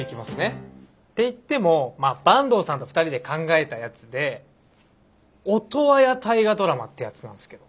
っていっても坂東さんと２人で考えたやつでオトワヤ大河ドラマってやつなんすけど。